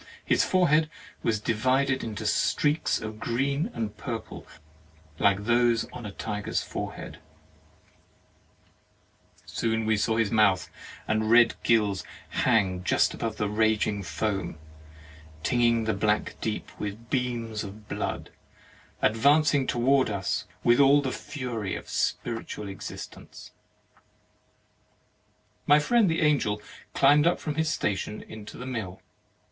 His forehead was divided into streaks of green and purple, like those on a tiger's forehead; soon we saw his mouth and red gills hang just above the raging foam, tinging the black deeps with beams of blood, ad vancing toward us with all the fury of a spiritual existence. My friend the Angel climbed up from his station into the mill.